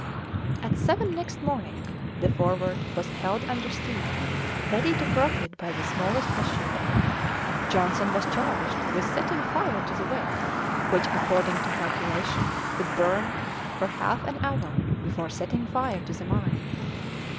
At seven the next morning the Forward was held under steam, ready to profit by the smallest issue. Johnson was charged with setting fire to the wick, which, according to calculation, would burn for half an hour before setting fire to the mine.